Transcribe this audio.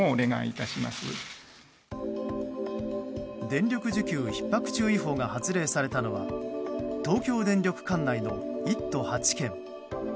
電力需給ひっ迫注意報が発令されたのは東京電力管内の１都８県。